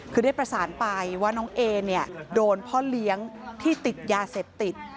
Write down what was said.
คือได้ประสานไปว่าน้องเอเนี่ยโดนพ่อเลี้ยงที่ติดยาเสพติด